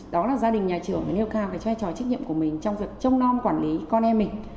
đó là gia đình nhà trưởng phải nâng cao vai trò trách nhiệm của mình trong việc trông non quản lý con em mình